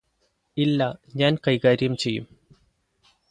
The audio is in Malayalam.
ഇല്ല ഞാന് കൈകാര്യം ചെയ്യും